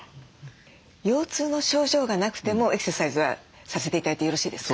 腰痛の症状がなくてもエクササイズはさせて頂いてよろしいですか？